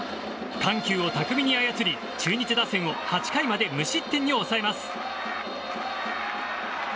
緩急を巧みに操り、中日打線を８回まで無失点に抑えます。